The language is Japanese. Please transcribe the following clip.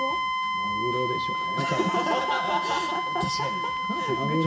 マグロでしょうね。